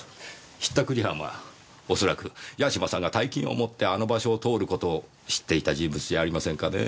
引ったくり犯は恐らく八島さんが大金を持ってあの場所を通る事を知っていた人物じゃありませんかねぇ。